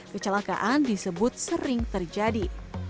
kecelakaan disebut sering terjadi